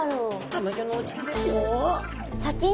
たまギョのうちでですよ。